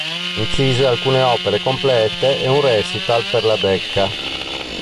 Incise alcune opere complete e un recital per la Decca.